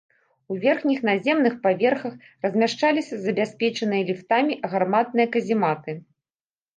У верхніх наземных паверхах размяшчаліся забяспечаныя ліфтамі гарматныя казематы.